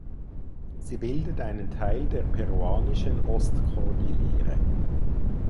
Sie bildet einen Teil der peruanischen Ostkordillere.